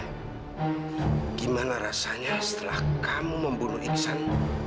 bagaimana rasanya setelah kamu membunuh iksan